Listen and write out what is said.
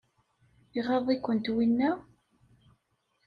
Iɣaḍ-ikent winna?